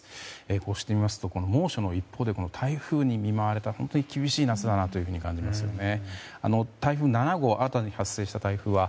こうしてみると猛暑の一方で台風に見舞われた本当に厳しい夏だなと感じますよね。